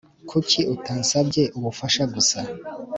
Kuki utansabye ubufasha gusa